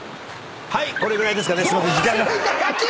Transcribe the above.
はいこれぐらいですかね。